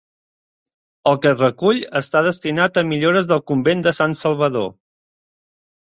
El que es recull està destinat a millores del convent de Sant Salvador.